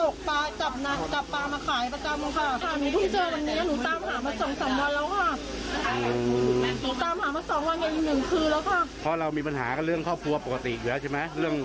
ก็งอนกับเขาปกติอยู่แล้วค่ะ